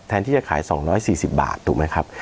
ที่จะขาย๒๔๐บาทถูกไหมครับ